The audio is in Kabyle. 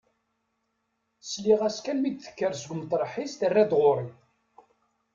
Sliɣ-as kan mi d-tekker seg umṭreḥ-is terra-d ɣur-i.